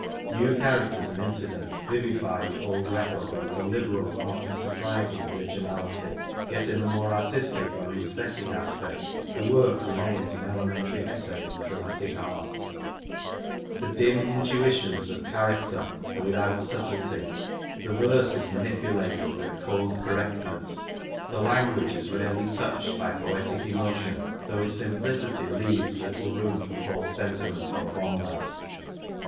New characters and incident vivify the old record with a liberal and often surprising originality. Yet in the more artistic or esthetic aspect the work remains an elementary essay in the dramatic art. The dim intuitions of character r xviii INTRODUCTION are without subtlety. The verse is manipulated with a cold < correctness. 3 The language is rarely touched by poetic emotion, though its simplicity leaves little room for false sentiment or bombast.